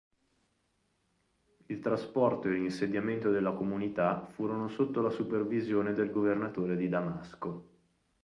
Il trasporto e l'insediamento della comunità furono sotto la supervisione del governatore di Damasco.